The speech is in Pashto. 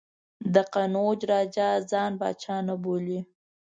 د قنوج راجا ځان پاچا نه بولي.